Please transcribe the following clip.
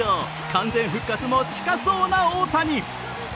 完全復活も近そうな大谷。